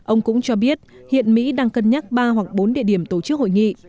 ông cũng cho biết hiện mỹ đang cân nhắc ba hoặc bốn địa điểm tổ chức hội nghị